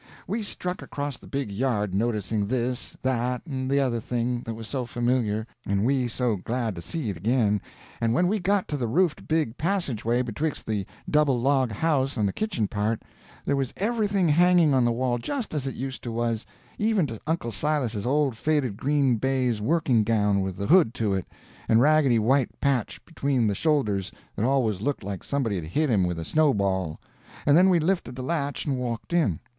We struck across the big yard, noticing this, that, and t'other thing that was so familiar, and we so glad to see it again, and when we got to the roofed big passageway betwixt the double log house and the kitchen part, there was everything hanging on the wall just as it used to was, even to Uncle Silas's old faded green baize working gown with the hood to it, and raggedy white patch between the shoulders that always looked like somebody had hit him with a snowball; and then we lifted the latch and walked in.